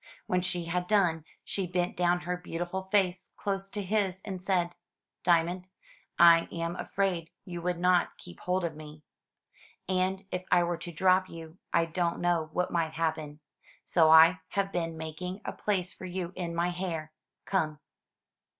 When she had done, she bent down her beautiful face close to his, and said: " Diamond, T am afraid you would not keep hold of me, and if I were to drop you, I don't know what might happen; so I have been making a place for you in my hair. Come."